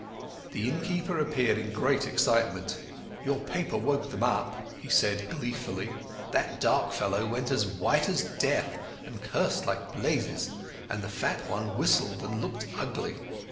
The innkeeper appeared in great excitement. "Your paper woke them up," he said gleefully. "The dark fellow went as white as death and cursed like blazes, and the fat one whistled and looked ugly.